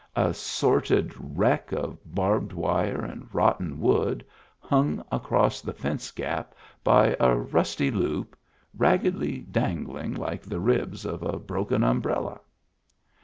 A sordid wreck of barbed wire and rotten wood, hung across the fence gap by a rusty loop, raggedly dangling like the ribs of a broken umbrella.